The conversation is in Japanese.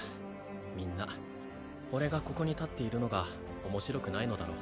みんな俺がここに立っているのが面白くないのだろう